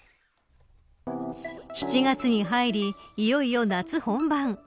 ７月に入り、いよいよ夏本番。